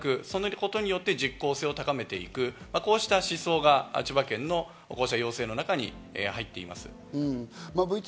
そのことによって実効性を高めていく、こうした思想が千葉県の要請の中に入っています。